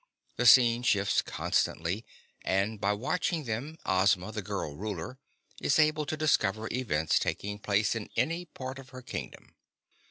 The scenes shift constantly and by watching them, Ozma, the girl Ruler, is able to discover events taking place in any part of her kingdom.